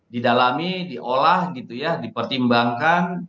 didalami diolah gitu ya dipertimbangkan